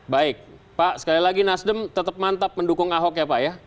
baik pak sekali lagi nasdem tetap mantap mendukung ahok ya pak ya